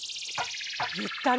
言ったね